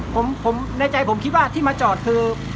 ผมในใจผมคิดว่าที่มาจอดคือ